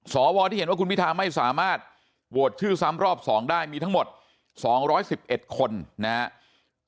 สวที่เห็นว่าคุณพิทาไม่สามารถโหวตชื่อซ้ำรอบ๒ได้มีทั้งหมด๒๑๑คนนะครับ